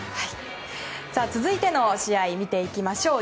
続いての試合を見ていきましょう。